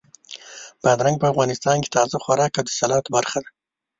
بادرنګ په افغانستان کې تازه خوراک او د سالاد برخه وي.